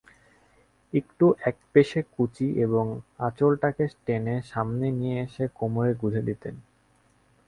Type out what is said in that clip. একটু একপেশে কুঁচি এবং আঁচলটাকে টেনে সামনে নিয়ে এসে কোমরে গুঁজে দিতেন।